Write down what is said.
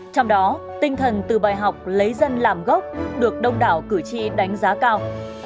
trong đó tinh thần từ bài học lấy dân làm gốc được đông đảo cử tri đánh giá cao